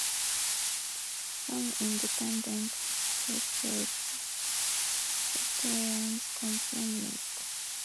Some independent historians confirm it.